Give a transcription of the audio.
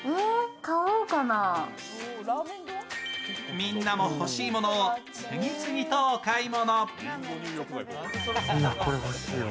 みんなも欲しいものを次々とお買い物。